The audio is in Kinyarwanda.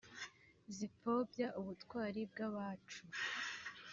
zipfobya ubutwari bw’abacu